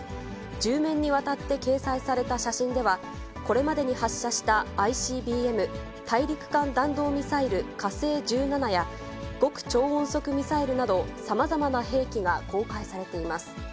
１０面にわたって掲載された写真では、これまでに発射した、ＩＣＢＭ・大陸間弾道ミサイル火星１７や、極超音速ミサイルなどさまざまな兵器が公開されています。